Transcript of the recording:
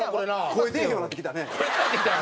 声出えへんようになってきたね。